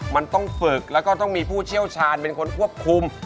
มันต้องฝึกแล้วก็ต้องมีผู้เชี่ยวชาญเป็นคนควบคุม